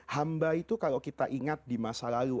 hamba itu kalau kita ingat di masa lalu